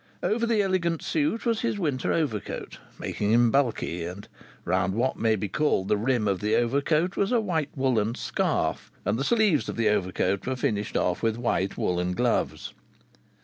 Over the elegant suit was his winter overcoat, making him bulky, and round what may be called the rim of the overcoat was a white woollen scarf, and the sleeves of the overcoat were finished off with white woollen gloves.